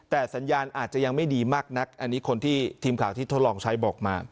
แต่สัญญาณอาจจะยังไม่ดีมากนักอันนี้คนที่ทีมข่าวที่ทดลองใช้บอกมา